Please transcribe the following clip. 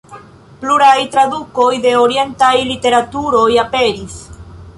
Pluraj tradukoj de orientaj literaturoj aperis.